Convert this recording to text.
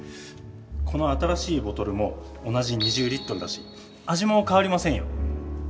この新しいボトルも同じ２０だし味もかわりませんよ。